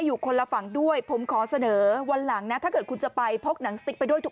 ไม่ได้โดยพรให้นะไอ้รวย